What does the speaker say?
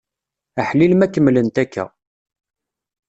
Aḥlil ma kemmlent akka!